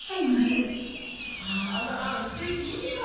あらステキいいわね。